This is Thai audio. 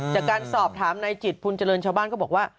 จากการสอบถามนายจิตพุนเจริญชาวบ้านก็บอกว่า